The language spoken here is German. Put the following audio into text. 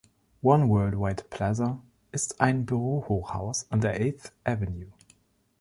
One Worldwide Plaza ist ein Bürohochhaus in der Eighth Avenue.